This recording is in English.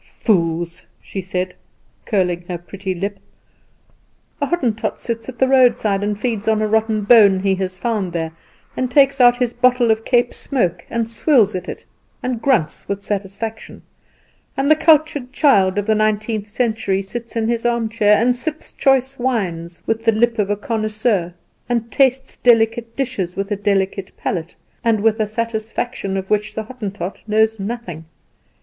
Fools!" she said, curling her pretty lip. "A Hottentot sits at the roadside and feeds on a rotten bone he has found there, and takes out his bottle of Cape smoke and swills at it, and grunts with satisfaction; and the cultured child of the nineteenth century sits in his armchair, and sips choice wines with the lip of a connoisseur, and tastes delicate dishes with a delicate palate, and with a satisfaction of which the Hottentot knows nothing.